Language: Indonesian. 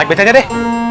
naik becanya deh